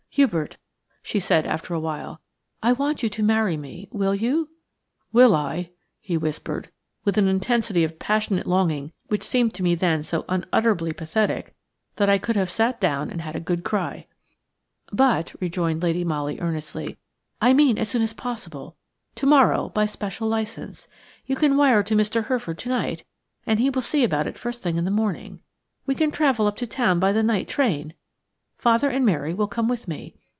"Hubert," she said after a while, "I want you to marry me. Will you?" "Will I?" he whispered, with an intensity of passionate longing which seemed to me then so unutterably pathetic that I could have sat down and had a good cry. "But," rejoined Lady Molly earnestly, "I mean as soon as possible–to morrow, by special licence. You can wire to Mr. Hurford to night, and he will see about it the first thing in the morning. We can travel up to town by the night train. Father and Mary will come with me.